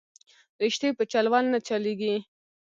رشتې په چل ول نه چلېږي